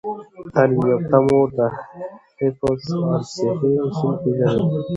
تعلیم یافته مور د حفظ الصحې اصول پیژني۔